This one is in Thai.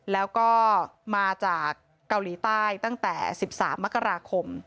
แล้วก็มาจากเกาหลีใต้ตั้งแต่๑๓มกราคม